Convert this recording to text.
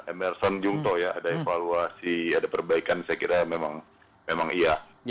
emerson jungto ya ada evaluasi ada perbaikan saya kira memang iya